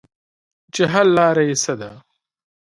چې حل لاره ئې څۀ ده -